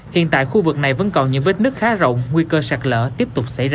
hiện tại khu vực này vẫn còn những vết nứt khá rộng nguy cơ sạt lở tiếp tục xảy ra